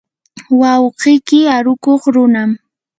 wawqiyki arukuq runam.